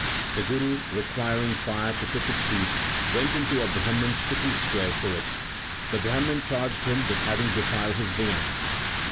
The Guru, requiring fire to cook his food, went into a Brahman s cooking square for it. The Brahman charged him with having defiled his viands.